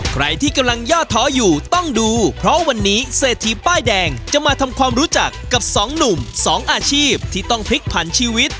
ใครที่กำลังย่อท้ออยู่ต้องดูเพราะวันนี้เศรษฐีป้ายแดงจะมาทำความรู้จักกับสองหนุ่มสองอาชีพที่ต้องพลิกผันชีวิต